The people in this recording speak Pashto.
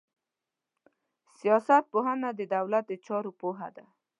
سياست پوهنه د دولت د چارو پوهه ده.